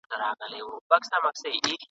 د خپل وطن په ویاړ ژوند وکړه.